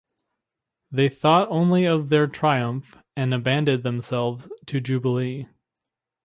They thought only of their triumph, and abandoned themselves to jubilee.